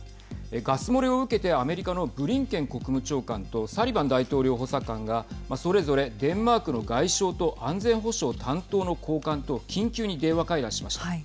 ガス漏れを受けてアメリカのブリンケン国務長官とサリバン大統領補佐官がそれぞれデンマークの外相と安全保障担当の高官と緊急に電話会談しました。